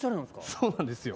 そうなんですよ。